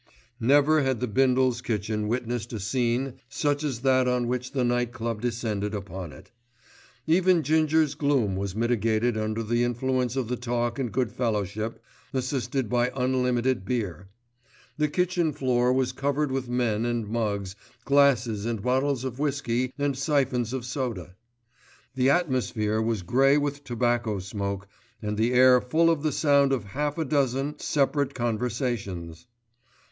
Never had the Bindles' kitchen witnessed a scene such as that on which the Night Club descended upon it. Even Ginger's gloom was mitigated under the influence of the talk and good fellowship, assisted by unlimited beer. The kitchen floor was covered with men and mugs, glasses and bottles of whisky and syphons of soda. The atmosphere was grey with tobacco smoke, and the air full of the sound of half a dozen separate conversations.